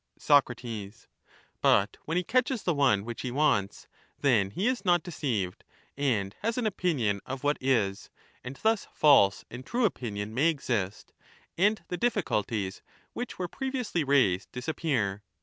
Theaeutus, Soc, But when he catches the one which he wants, then he SocRArmt, is not deceived, and has an opinion of what is, and thus false thbabtetus. and true opinion may exist, and the difficulties which were ^°''*™*^ previously raised disappear.